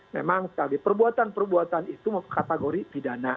memang sekali perbuatan perbuatan itu kategori pidana